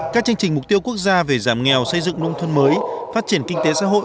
các chương trình mục tiêu quốc gia về giảm nghèo xây dựng nông thôn mới phát triển kinh tế xã hội